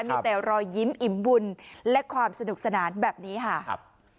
มีแต่รอยยิ้มอิ่มบุญและความสนุกสนานแบบนี้ค่ะครับ